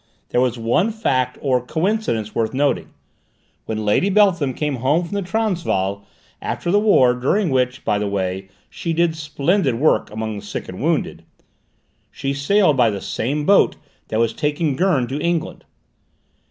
There was one fact, or coincidence, worth noting: when Lady Beltham came home from the Transvaal after the war, during which, by the way, she did splendid work among the sick and wounded, she sailed by the same boat that was taking Gurn to England.